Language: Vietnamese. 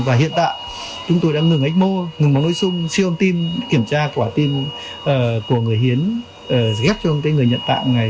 và hiện tại chúng tôi đã ngừng ách mô ngừng bóng nối sung siêu ôm tim kiểm tra quả tim của người hiến ghép cho người nhận tạng này